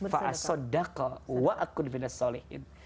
fa'asodakal wa'akun finas solehin